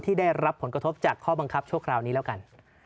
ได้รับผลกระทบจากข้อบังคับชั่วคราวนี้แล้วกัน